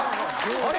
あれ？